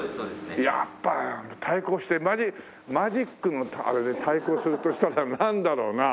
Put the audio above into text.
やっぱり対抗してマジックマジックのあれで対抗するとしたらなんだろうな？